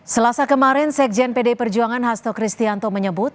selasa kemarin sekjen pdi perjuangan hasto kristianto menyebut